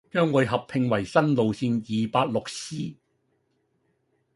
將會合併為新路線二八六 C，